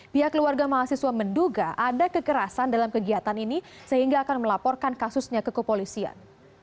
pihak keluarga mahasiswa menduga ada kekerasan dalam kegiatan ini sehingga akan melaporkan kasusnya ke kepolisian